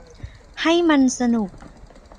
ให้มันสนุก